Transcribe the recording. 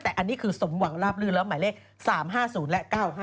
แต่อันนี้คือสมหวังลาบลื่นแล้วหมายเลข๓๕๐และ๙๕